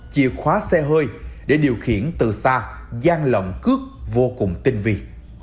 chìa khóa xe hơi để điều khiển từ xa gian lận cước vô cùng tinh vị